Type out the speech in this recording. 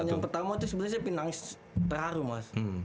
momen yang pertama tuh sebenernya saya pengen nangis terharu mas